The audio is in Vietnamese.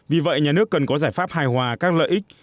vì vậy nhà nước cần có giải pháp hài hòa các lợi ích